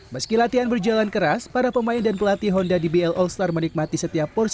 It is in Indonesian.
meski latihan berjalan keras para pemain dan pelatih honda dbl all star menikmati setiap porsi